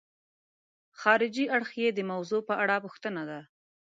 خارجي اړخ یې د موضوع په اړه پوښتنه ده.